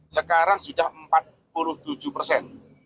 sekarang sudah empat puluh tujuh persen